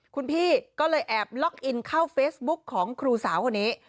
คุณพี่ก็เลยแอบล็อกอินเข้าเฟซบุ๊กของครูสาวคนนี้